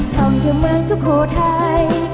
ทองเที่ยวเมืองสุโขไทย